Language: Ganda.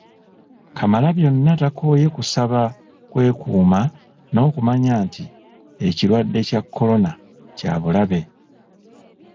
Kamalabyonna takooye kubasaba kwekuuma n'okumanya nti ekirwadde kya Corona kya bulabe